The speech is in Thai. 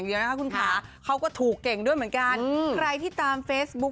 นี่ฉันยกให้เขาเป็นเจ้าพ่อบ้ายเลข